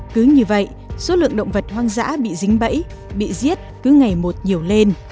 cứ như vậy số lượng động vật hoang dã bị dính bẫy bị giết cứ ngày một nhiều lên